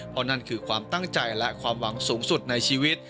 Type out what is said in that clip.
เพราะนั่นคือความตั้งใจและความหวังสูงสุดในชีวิต